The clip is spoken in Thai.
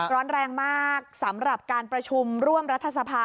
ร้อนแรงมากสำหรับการประชุมร่วมรัฐสภา